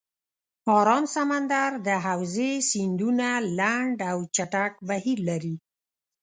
آرام سمندر د حوزې سیندونه لنډ او چټک بهیر لري.